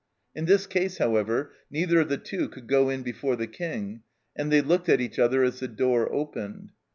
In this case, however, neither of the Two could go in before the King, and they looked at each other as the door opened.